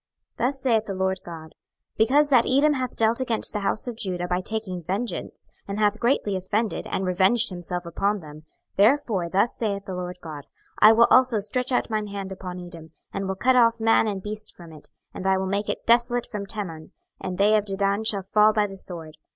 26:025:012 Thus saith the Lord GOD; Because that Edom hath dealt against the house of Judah by taking vengeance, and hath greatly offended, and revenged himself upon them; 26:025:013 Therefore thus saith the Lord GOD; I will also stretch out mine hand upon Edom, and will cut off man and beast from it; and I will make it desolate from Teman; and they of Dedan shall fall by the sword.